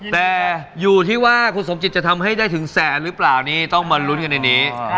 แต่อยู่ที่ว่าคุณสมจิตจะทำให้ได้ถึงแสนหรือเปล่านี่ต้องมาลุ้นกันในนี้